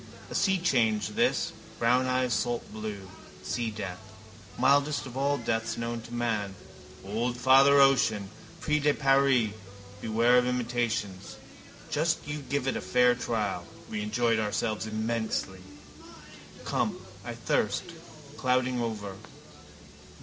A seachange this, brown eyes saltblue. Seadeath, mildest of all deaths known to man. Old Father Ocean. Prix de Paris: beware of imitations. Just you give it a fair trial. We enjoyed ourselves immensely. Come. I thirst. Clouding over.